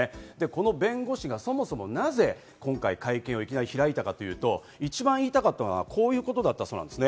この弁護士がそもそも、なぜ今回会見を開いたかというと、一番言いたかったのは、こういうことだそうです。